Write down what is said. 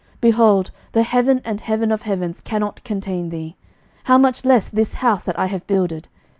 behold, the heaven and heaven of heavens cannot contain thee; how much less this house that I have builded?